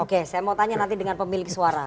oke saya mau tanya nanti dengan pemilik suara